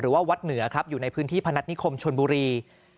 วัดเหนือครับอยู่ในพื้นที่พนัฐนิคมชนบุรี